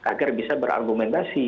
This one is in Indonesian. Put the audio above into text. agar bisa berargumentasi